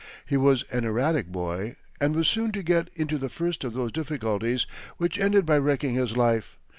He was an erratic boy, and was soon to get into the first of those difficulties which ended by wrecking his life.